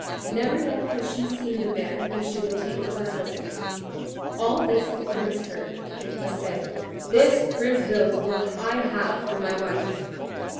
Never yet had she seen the man whom she would take for her husband. All this the Prince heard, and he said, "This Kriemhild will I have for my wife."